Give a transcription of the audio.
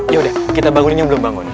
yaudah kita bangunin yang belum bangun